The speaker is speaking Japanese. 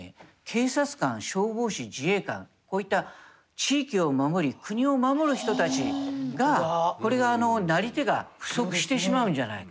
警察官消防士自衛官こういった地域を守り国を守る人たちがこれがなり手が不足してしまうんじゃないかと。